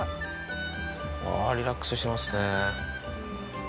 あー、リラックスしてますね。